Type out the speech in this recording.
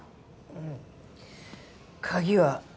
うん鍵は？